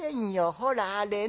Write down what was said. ほらあれね